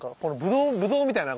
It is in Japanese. ぶどうみたいな。